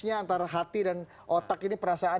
antara hati dan otak ini perasaan